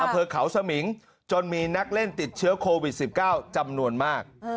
อำเภอเขาสมิงจนมีนักเล่นติดเชื้อโควิด๑๙จำนวนมาก